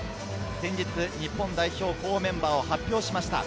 先日、日本代表メンバーを発表しました。